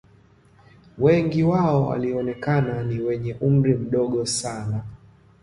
Wengi wao walionekana ni wenye umri mdogo sana